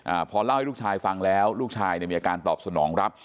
อ่าพอเล่าให้ลูกชายฟังแล้วลูกชายเนี่ยมีอาการตอบสนองรับ